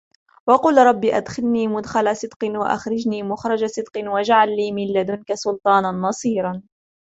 وقل رب أدخلني مدخل صدق وأخرجني مخرج صدق واجعل لي من لدنك سلطانا نصيرا